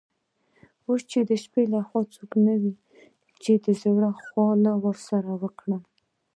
اوس د شپې له خوا څوک نه وي چي د زړه خواله ورسره وکړم.